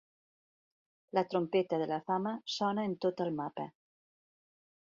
La trompeta de la fama sona en tot el mapa.